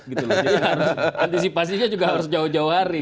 jadi harus antisipasinya juga harus jauh jauh hari